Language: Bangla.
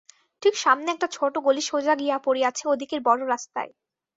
ঠিক সামনে একটা ছোট গলি সোজা গিয়া পড়িয়াছে ওদিকের বড় রাস্তায়!